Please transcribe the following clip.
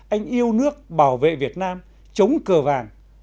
anh yêu nước bảo vệ việt nam chống cờ vàng